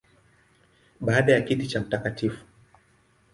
Baada ya kiti cha Mt.